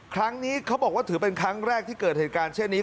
ครั้งนี้เขาบอกว่าถือเป็นครั้งแรกที่เกิดเหตุการณ์เช่นนี้